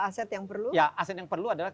aset yang perlu aset yang perlu adalah